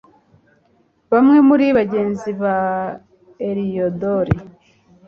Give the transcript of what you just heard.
bamwe muri bagenzi ba heliyodori